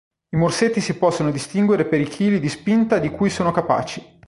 I morsetti si possono distinguere per i kg di spinta di cui sono capaci.